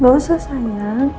gak usah sayang